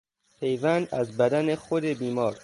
پیوند از بدن خود بیمار